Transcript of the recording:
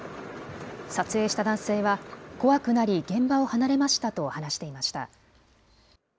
撮影した男性は怖くなり現場を離れましたと話していました。